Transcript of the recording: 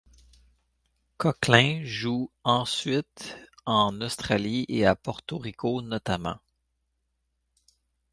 Conklin joue ensuite en Australie et à Porto Rico notamment.